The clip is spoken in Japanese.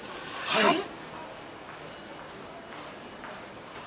はい。